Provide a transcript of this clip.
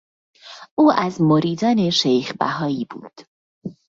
او از مریدان شیخ بهایی بود.